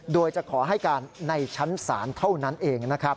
โดยจะขอให้การในชั้นศาลเท่านั้นเองนะครับ